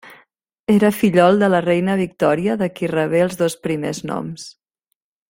Era fillol de la Reina Victòria, de qui rebé els dos primers noms.